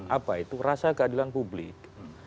apa itu rasa keadilan publik